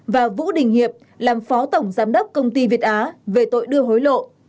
và vũ đình hiệp làm phó tổng giám đốc công ty việt á về tội đưa hối lộ